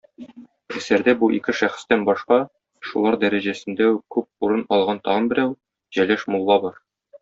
Әсәрдә бу ике шәхестән башка, шулар дәрәҗәсендә үк күп урын алган тагын берәү - Җәләш мулла бар.